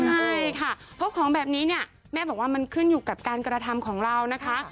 ใช่ค่ะเพราะของแบบนี้เนี่ยแม่บอกว่ามันขึ้นอยู่กับการกระทำของเรานะคะ